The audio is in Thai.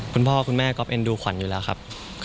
คุณพ่อคุณแม่ก๊อปเอ็นดูขวัญอยู่แล้วครับ